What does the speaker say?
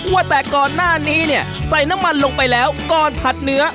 ว่าแต่ก่อนหน้านี้เนี่ยใส่น้ำมันลงไปแล้วก่อนผัดเนื้อ